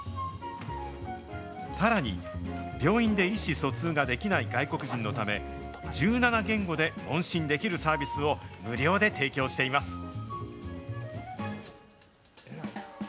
さらに、病院で意思疎通ができない外国人のため、１７言語で問診できるサービスを無料で提供しています。